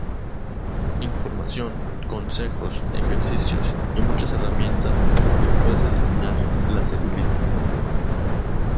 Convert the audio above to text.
Información, consejos, ejercicios y muchas herramientas para que puedas eliminar la celulitis.